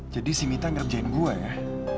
jadi si mita ngerjain gue ya